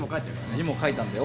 字も書いたんだよ